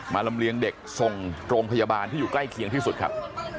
ลำเลียงเด็กส่งโรงพยาบาลที่อยู่ใกล้เคียงที่สุดครับ